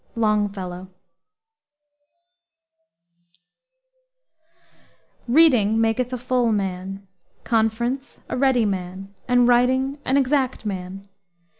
LONGFELLOW Reading maketh a full man, conference a ready man, and writing an exact man.